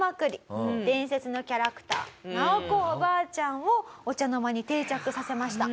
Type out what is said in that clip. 伝説のキャラクターナオコお婆ちゃんをお茶の間に定着させました。